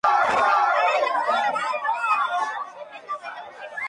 En la primera planta encontramos la galería de dioses, diosas y costumbres sociales.